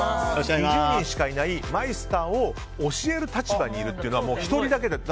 ２０人しかいないマイスターを教える立場にいるというのは１人だけで。